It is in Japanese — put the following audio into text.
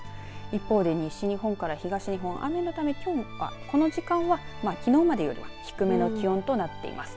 一方で西日本から東日本、雨のためこの時間はきのうまでよりも低めの気温となっています。